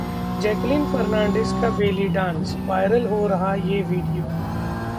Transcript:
Jacqueline Fernandez का belly dance, viral हो रहा ये वीडियो